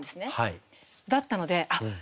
だったのであっ「猫の恋」